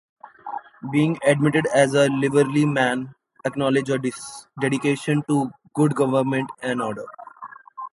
Being admitted as a Liveryman acknowledges a dedication to good government and order.